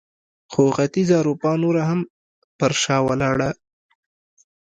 خو ختیځه اروپا نوره هم پر شا ولاړه.